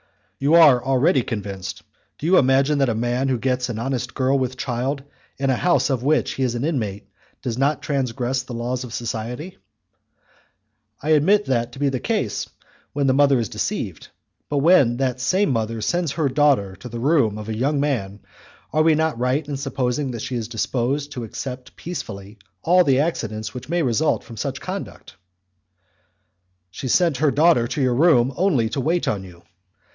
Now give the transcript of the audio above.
"You are already convinced. Do you imagine that a man who gets an honest girl with child in a house of which he is an inmate does not transgress the laws of society?" "I admit that to be the case when the mother is deceived; but when that same mother sends her daughter to the room of a young man, are we not right in supposing that she is disposed to accept peacefully all the accidents which may result from such conduct?" "She sent her daughter to your room only to wait on you."